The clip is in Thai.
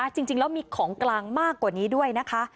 จริงแล้วมีของกลางมากกว่านี้ด้วยนะคะ